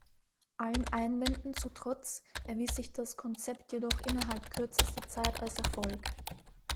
Allen Einwänden zum Trotz erwies sich das Konzept jedoch innerhalb kürzester Zeit als Erfolg.